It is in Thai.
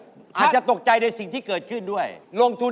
เพราะว่ารายการหาคู่ของเราเป็นรายการแรกนะครับ